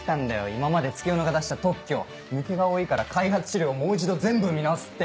今まで月夜野が出した特許抜けが多いから開発資料をもう一度全部見直すって。